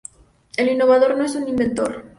El innovador no es un inventor.